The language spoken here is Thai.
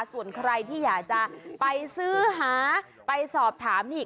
ส่วนใครที่อยากจะไปซื้อหาไปสอบถามนี่